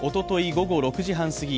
午後６時半過ぎ